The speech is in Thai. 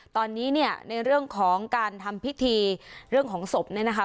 ตอนนี้เนี่ยในเรื่องของการทำพิธีเรื่องของศพเนี่ยนะคะ